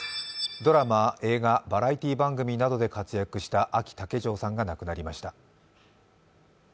ドラマ、映画、バラエティー番組などで活躍したあき竹城さんが亡くなりました。